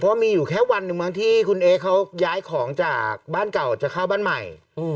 ว่ามีอยู่แค่วันหนึ่งมั้งที่คุณเอ๊เขาย้ายของจากบ้านเก่าจะเข้าบ้านใหม่